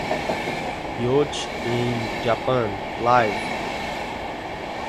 Riot in Japan: Live!!